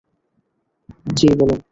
জ্বি, বলুন!